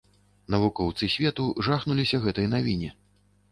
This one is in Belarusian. Навукоўцы свету жахнуліся гэтай навіне.